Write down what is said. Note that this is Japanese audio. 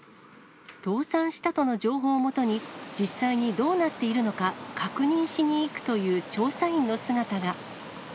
倒産したとの情報をもとに、実際にどうなっているのか、確認しに行くという調査員の姿が。